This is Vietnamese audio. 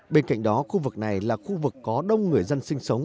bên cạnh đó khu vực này là khu vực có đông người dân sinh sống